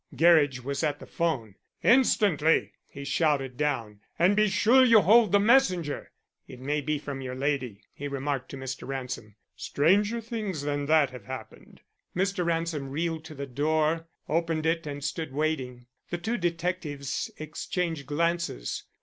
Gerridge was at the 'phone. "Instantly," he shouted down, "and be sure you hold the messenger. It may be from your lady," he remarked to Mr. Ransom. "Stranger things than that have happened." Mr. Ransom reeled to the door, opened it and stood waiting. The two detectives exchanged glances.